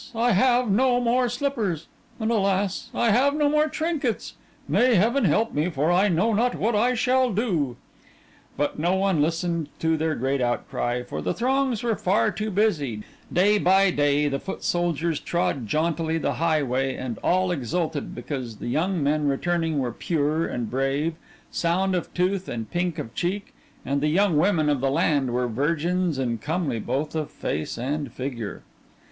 I have no more slippers! and alas! I have no more trinkets! May heaven help me for I know not what I shall do!" But no one listened to their great outcry, for the throngs were far too busy day by day, the foot soldiers trod jauntily the highway and all exulted because the young men returning were pure and brave, sound of tooth and pink of cheek, and the young women of the land were virgins and comely both of face and of figure.